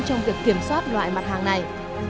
trong việc kiểm soát loại mặt hàng này